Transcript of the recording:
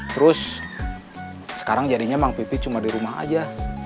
terus sekarang jadinya mamang pipi cuma di rumah aja